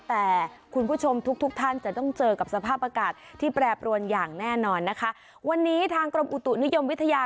แต่คุณผู้ชมทุกทุกท่านจะต้องเจอกับสภาพอากาศที่แปรปรวนอย่างแน่นอนนะคะวันนี้ทางกรมอุตุนิยมวิทยา